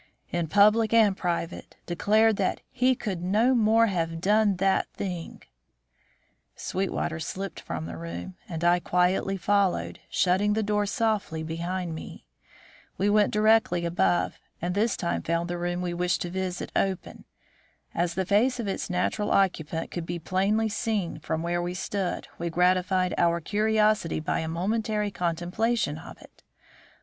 "In public and private, declared that he could no more have done that thing " Sweetwater slipped from the room and I quietly followed, shutting the door softly behind me. We went directly above; and this time found the room we wished to visit, open. As the face of its natural occupant could be plainly seen from where we stood, we gratified our curiosity by a momentary contemplation of it.